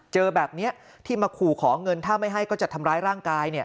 เจอแบบนี้ที่มาขู่ขอเงินถ้าไม่ให้ก็จะทำร้ายร่างกาย